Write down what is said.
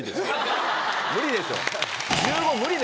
無理でしょ。